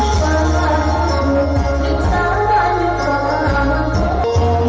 เพลง